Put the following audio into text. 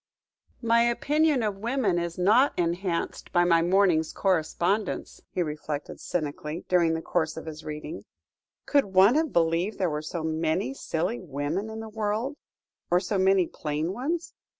"My opinion of women is not enhanced by my morning's correspondence," he reflected cynically, during the course of his reading; "could one have believed there were so many silly women in the world or so many plain ones?"